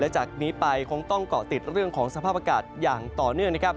จากนี้ไปคงต้องเกาะติดเรื่องของสภาพอากาศอย่างต่อเนื่องนะครับ